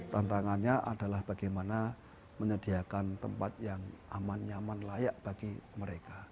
tantangannya adalah bagaimana menyediakan tempat yang aman nyaman layak bagi mereka